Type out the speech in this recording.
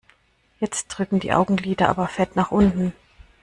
Jetzt drücken die Augenlider aber fett nach unten.